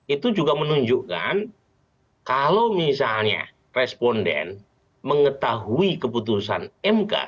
itu juga menunjukkan kalau misalnya responden mengetahui keputusan mk